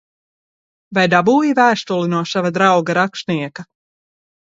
Vai dabūji vēstuli no sava drauga rakstnieka?